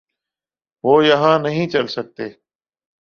وہ یہاں نہیں چل سکتے۔